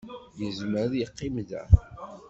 Yezmer ad yeqqim da.